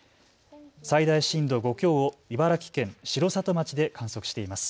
最大震度５強を茨城県城里町で観測しています。